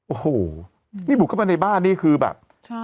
โอ้โหนี่บุกเข้าไปในบ้านนี่คือแบบ